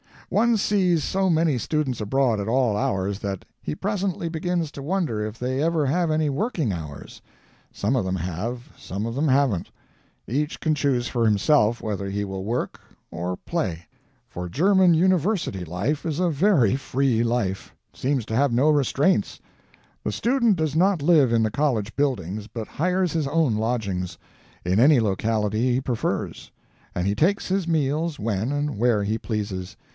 One sees so many students abroad at all hours, that he presently begins to wonder if they ever have any working hours. Some of them have, some of them haven't. Each can choose for himself whether he will work or play; for German university life is a very free life; it seems to have no restraints. The student does not live in the college buildings, but hires his own lodgings, in any locality he prefers, and he takes his meals when and where he pleases.